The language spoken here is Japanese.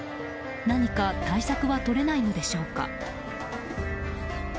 何か対策はとれないのでしょうか。